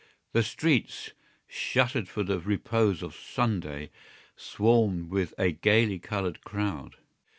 The streets, shuttered for the repose of Sunday, swarmed with a gaily coloured crowd.